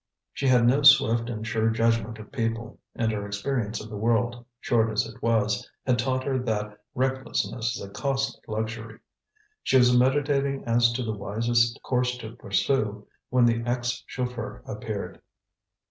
She had no swift and sure judgment of people, and her experience of the world, short as it was, had taught her that recklessness is a costly luxury. She was meditating as to the wisest course to pursue, when the ex chauffeur appeared.